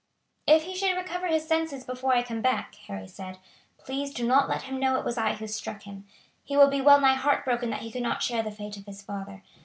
"' "If he should recover his senses before I come back," Harry said, "please do not let him know it was I who struck him. He will be well nigh heart broken that he could not share the fate of his father.